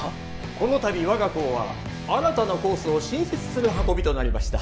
この度我が校は新たなコースを新設する運びとなりました